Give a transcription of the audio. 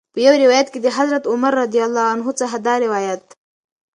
په یو روایت کې د حضرت عمر رض څخه دا روایت